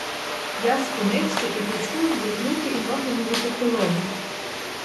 Я спинився і почув, як руки і ноги мої похололи.